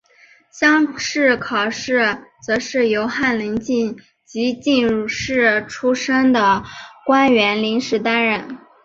乡试考官则是由翰林及进士出身的官员临时担任。